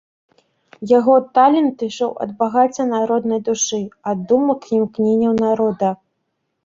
Яго талент ішоў ад багацця народнай душы, ад думак і імкненняў народа.